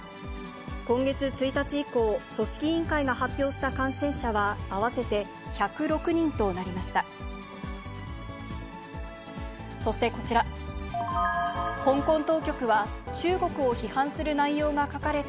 今月１日以降、組織委員会が発表した感染者は合わせて１０６人となりました。